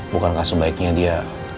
bukankah sebaiknya dia